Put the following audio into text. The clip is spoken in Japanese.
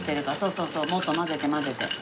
そうそうもっと混ぜて混ぜて。